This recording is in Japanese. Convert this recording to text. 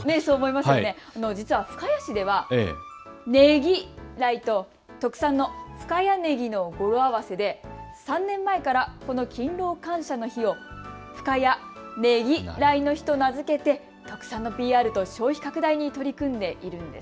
実は深谷市ではねぎらいと、特産の深谷ねぎの語呂合わせで３年前からこの勤労感謝の日を深谷ねぎらいの日と名付けて特産のＰＲと消費拡大に取り組んでいるんです。